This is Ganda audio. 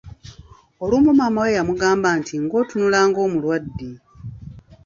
Olumu maama we yamugamba nti "ng’otunula ng’omulwadde?".